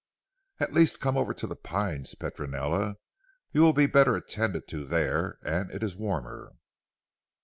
"At least, come over to 'The Pines' Petronella. You will be better attended to there, and it is warmer."